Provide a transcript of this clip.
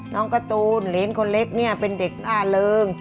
น้องกระตูลเลนคนเล็กเป็นเด็กหน้าเริง